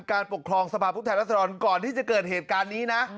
การปกครองสภาพผู้แทนรัศดรก่อนที่จะเกิดเหตุการณ์นี้นะ